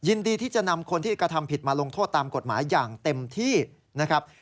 ยินดีที่จะนำคนที่กระทำผิดมาลงโทษตามกฎหมายอย่างเต็มที่นะครับ